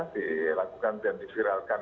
dilakukan dan diviralkan